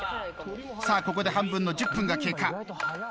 さあここで半分の１０分が経過。